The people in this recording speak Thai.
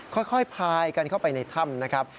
ค่อยพายกันเข้าไปในถ้ำนะครับ